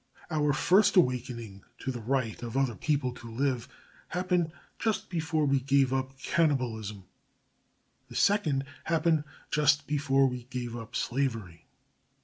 Our first awakening to the right of other people to live happened just before we gave up cannibalism. The second happened just before we gave up slavery.